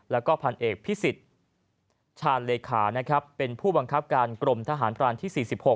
และพันเอกพิสิทธิ์ชาญเลขาเป็นผู้บังคับการกรมทหารกลานที่๔๖